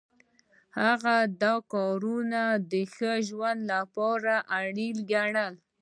هغه دا کارونه د ښه ژوند لپاره اړین ګڼي.